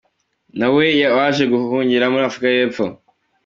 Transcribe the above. Gen, na we waje guhungira muri Afurika y’Epfo.